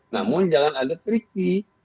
namun jangan ada triki